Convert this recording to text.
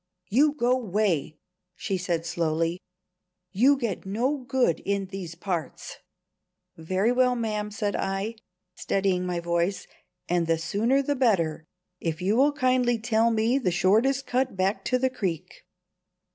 "You go 'way," she said slowly. "You get no good in these parts." "Very well, ma'am," said I, steadying my voice, "and the sooner the better, if you will kindly tell me the shortest cut back to the creek."